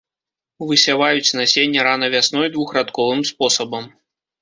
Высяваюць насенне рана вясной двухрадковым спосабам.